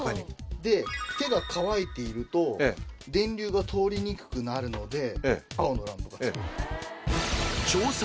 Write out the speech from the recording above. で手が乾いていると電流が通りにくくなるので青のランプがつく。